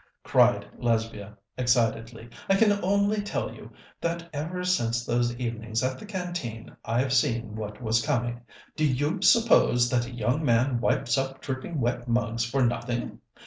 cried Lesbia excitedly. "I can only tell you that ever since those evenings at the Canteen I've seen what was coming. Do you suppose that a young man wipes up dripping wet mugs for nothing?